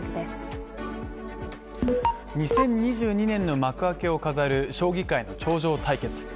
２０２２年の幕開けを飾る将棋界の頂上対決